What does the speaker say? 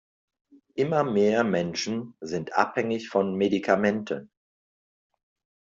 Immer mehr Menschen sind abhängig von Medikamenten.